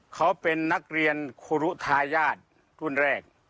เขาเป็นนักเรียนครูรุทายาทรุ่นแรก